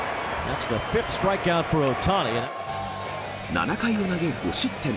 ７回を投げ５失点。